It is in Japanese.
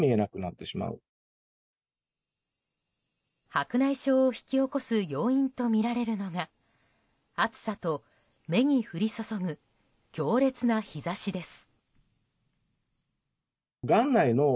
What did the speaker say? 白内障を引き起こす要因とみられるのが暑さと目に降り注ぐ強烈な日差しです。